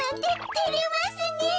てれますねえ。